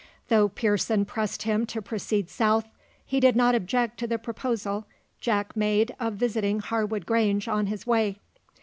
Though Pearson pressed him to proceed south, he did not object to the proposal Jack made of visiting Harwood Grange on his way.